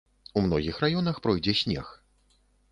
У многіх раёнах пройдзе снег.